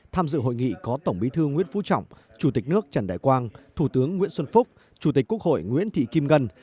tham dự hội nghị có tổng bí thư nguyễn phú trọng chủ tịch nước trần đại quang thủ tướng nguyễn xuân phúc chủ tịch quốc hội nguyễn thị kim ngân